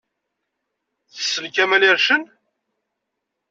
Tessen Kamel Ircen?